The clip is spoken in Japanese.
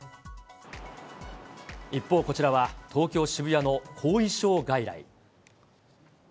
一方こちらは、東京・渋谷の後遺症外来。